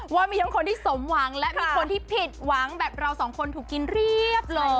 ว่ามีทั้งคนที่สมหวังและมีคนที่ผิดหวังแบบเราสองคนถูกกินเรียบเลย